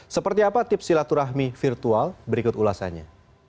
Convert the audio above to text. seperti apa tips silaturahmi virtual berikut ulasannya